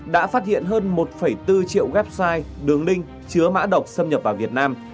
đã phát hiện hơn một bốn triệu website đường linh chứa mã độc xâm nhập vào việt nam